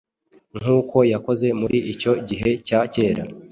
nk’uko yakoze muri icyo gihe cya kera.